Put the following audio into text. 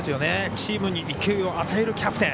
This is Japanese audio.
チームに勢いを与えるキャプテン。